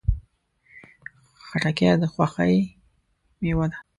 خټکی د خوښۍ میوه ده.